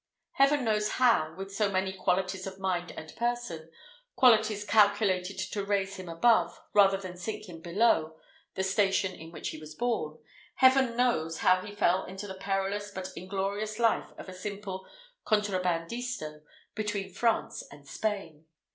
Heaven knows how, with so many qualities of mind and person qualities calculated to raise him above, rather than sink him below, the station in which he was born Heaven knows how he fell into the perilous but inglorious life of a simple contrabandisto between France and Spain.